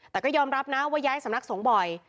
แต่ก็ยอมรับนะว่าย้ายสำนักสงฆ์บ่อย